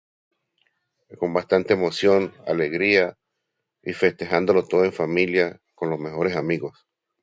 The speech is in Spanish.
Con bastante emoción, alegría y festejándolo todo en familia con los mejores amigos